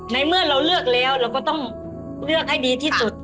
ในเมื่อเราเลือกแล้วเราก็ต้องเลือกให้ดีที่สุด